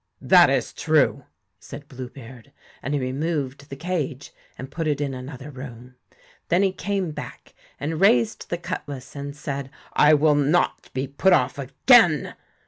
'That is true,' said Blue beard; and he removed the cage and put it in another room. Then he came back, and raised the cutlass, and said :' I will not be put off again.'